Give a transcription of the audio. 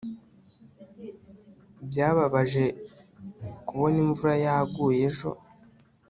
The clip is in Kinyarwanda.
byababaje kubona imvura yaguye ejo